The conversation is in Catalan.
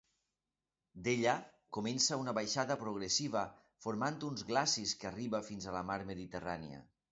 D'ella, comença una baixada progressiva formant un glacis que arriba fins a la Mar Mediterrània.